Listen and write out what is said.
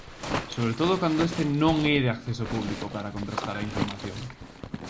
Sobre todo cando este non é de acceso público para contrastar a información.